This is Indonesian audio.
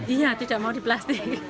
iya tidak mau di plastik